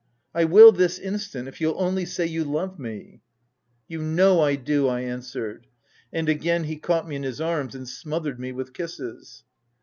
" I will, this instant, — if you'll only say you love me." " You know I do," I answered. And again he caught me in his arms, and smothered me with kisses.